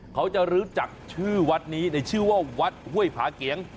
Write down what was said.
เขาจะรู้จักชื่อวัดนี้ในชื่อว่าวัดห้วยผาเกียง